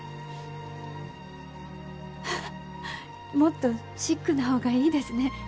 ハハッもっとシックな方がいいですね。